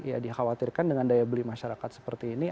ya dikhawatirkan dengan daya beli masyarakat seperti ini